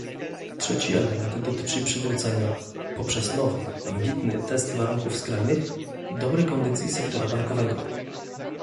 Trzeci element dotyczy przywrócenia, poprzez nowy, ambitny test warunków skrajnych, dobrej kondycji sektora bankowego